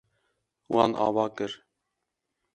Wan ava kir.